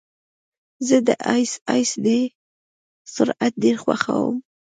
زه د ایس ایس ډي سرعت ډېر خوښوم.